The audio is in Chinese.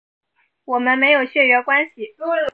我们没有血缘关系